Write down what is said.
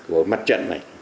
của mặt trận này